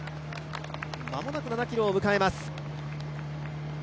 間もなく７ｋｍを迎えます。